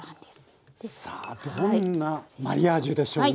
さあどんなマリアージュでしょうね。